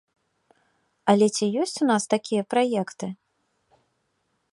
Але ці ёсць у нас такія праекты?